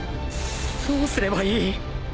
どうすればいい？